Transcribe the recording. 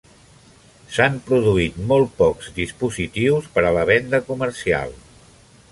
S'han produït molt pocs dispositius per a la venda comercial.